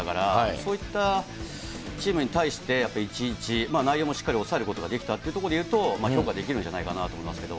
そういったチームに対して、やっぱり１ー１、内容もしっかり抑えることができたのは評価できるんじゃないかなと思いますけど。